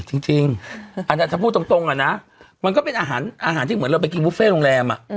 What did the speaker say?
จริงจริงแต่ถ้าพูดตรงตรงอ่ะนะมันก็เป็นอาหารอาหารที่เหมือนเราไปกินบุฟเฟ่ต์โรงแรมอ่ะ